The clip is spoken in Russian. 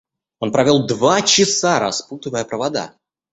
Он провёл два часа, распутывая провода.